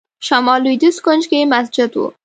شمال لوېدیځ کونج کې مسجد و.